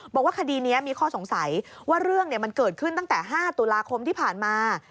บอกว่าคดีนี้มีข้อสงสัยว่าเรื่องมันเกิดขึ้นตั้งแต่๕ตุลาคมที่ผ่านมา